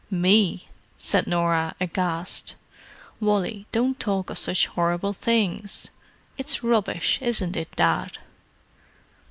"Me!" said Norah, aghast. "Wally, don't talk of such horrible things. It's rubbish, isn't it, Dad?"